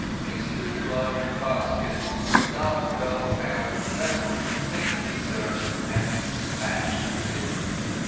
Hastily lowering the basket the dark girl found that the vessel containing the syrup had been smashed within.